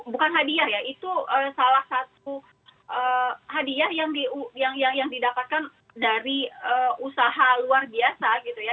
bukan hadiah ya itu salah satu hadiah yang didapatkan dari usaha luar biasa gitu ya